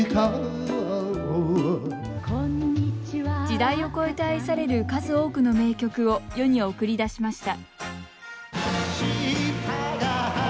時代を超えて愛される数多くの名曲を世に送り出しました「明日がある明日がある」